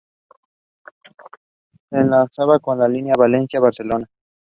Sadler was unhurt.